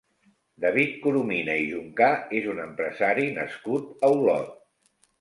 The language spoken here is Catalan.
David Coromina i Juncà és un empresari nascut a Olot.